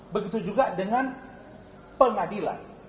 begitu juga dengan pengadilan